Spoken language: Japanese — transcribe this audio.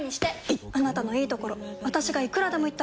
いっあなたのいいところ私がいくらでも言ってあげる！